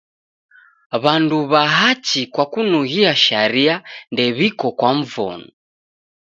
W'andu w'a hachi kwa kunughia sharia ndew'iko kwa mvono.